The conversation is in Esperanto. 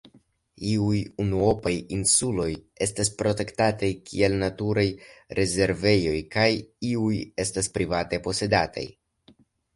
Iuj unuopaj insuloj estas protektataj kiel naturaj rezervejoj kaj iuj estas private posedataj.